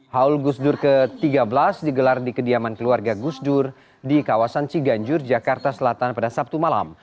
haul gusdur ke tiga belas digelar di kediaman keluarga gusdur di kawasan ciganjur jakarta selatan pada sabtu malam